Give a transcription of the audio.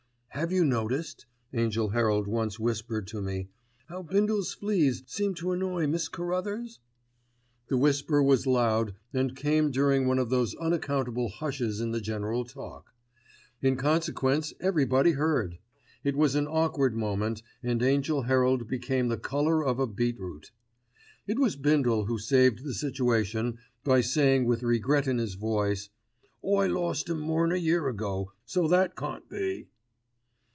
"Have you noticed," Angell Herald once whispered to me, "how Bindle's fleas seem to annoy Miss Carruthers?" The whisper was loud and came during one of those unaccountable hushes in the general talk. In consequence everybody heard. It was an awkward moment, and Angell Herald became the colour of a beetroot. It was Bindle who saved the situation by saying with regret in his voice: "I lost 'em more'n a year ago, so that can't be."